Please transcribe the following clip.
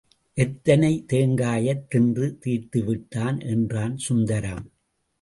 எத்தனை தேங்காயைத் தின்று தீர்த்துவிட்டான் என்றான் சுந்தரம்.